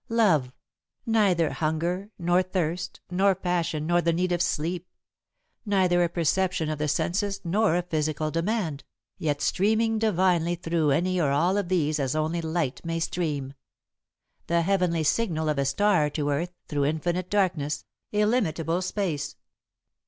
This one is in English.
Love neither hunger nor thirst nor passion nor the need of sleep; neither a perception of the senses nor a physical demand, yet streaming divinely through any or all of these as only light may stream the heavenly signal of a star to earth, through infinite darkness, illimitable space.